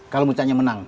kalau ditanya menang